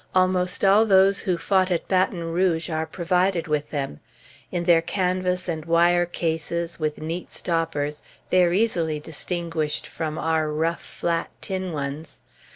Almost all those who fought at Baton Rouge are provided with them. In their canvas and wire cases, with neat stoppers, they are easily distinguished from our rough, flat, tin ones.